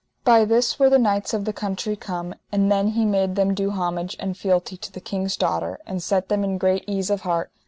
By this were the knights of the country come, and then he made them do homage and fealty to the king's daughter, and set them in great ease of heart.